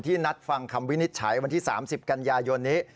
นัดฟังคำวินิจฉัยวันที่๓๐กันยายนนี้